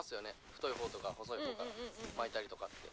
太い方とか細い方から巻いたりとかって。